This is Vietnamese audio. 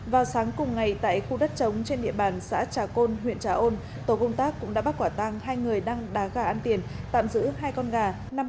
vào sáng cùng ngày tại khu đất trống trên địa bàn xã trà côn huyện trà ôn tổ công tác cũng đã bắt quả tang hai người đăng đá gà ăn tiền tạm giữ hai con gà